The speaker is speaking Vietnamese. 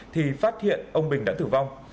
thì phát hiện ông bình đã tử vong